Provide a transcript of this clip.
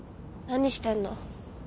何してんの？